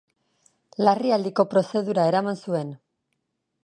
Larrialdiko prozedura eraman zuen.